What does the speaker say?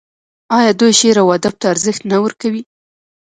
آیا دوی شعر او ادب ته ارزښت نه ورکوي؟